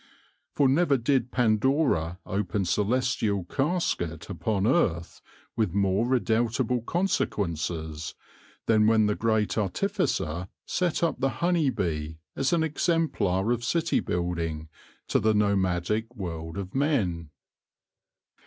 For never did Pandora open celestial casket upon earth with more redoubtable consequences, than when the Great Artificer set up the honey bee as an exemplar of city building to the nomadic world of men.